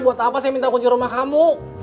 buat apa saya minta kunci rumah kamu